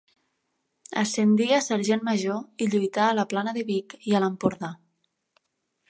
Ascendí a sergent major i lluità a la plana de Vic i a l'Empordà.